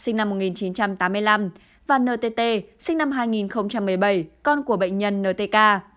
sinh năm một nghìn chín trăm tám mươi năm và ntt sinh năm hai nghìn một mươi bảy con của bệnh nhân ntk